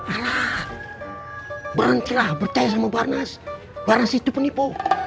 alah berhentilah percaya sama barnas barnas itu penipu